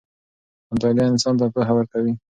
مطالعه انسان ته پوهه ورکوي.